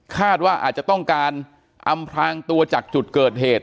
ว่าอาจจะต้องการอำพลางตัวจากจุดเกิดเหตุ